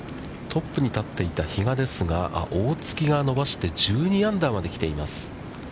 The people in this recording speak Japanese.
トップに立っていた比嘉ですが、大槻が伸ばして１２アンダーまで来ています。